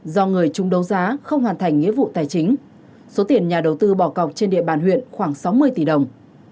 do người chung đấu giá không hoàn thành nghĩa vụ tài chính số tiền nhà đầu tư bỏ cọc trên địa bàn huyện khoảng sáu mươi tỷ đồng